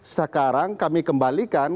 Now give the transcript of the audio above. sekarang kami kembalikan